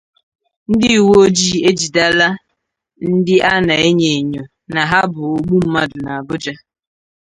Ndị Uweojii Ejidela Ndị A Na-Enyo Ènyò Na Ha Bụ Ogbu Mmadụ n'Abuja